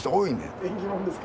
・縁起物ですか？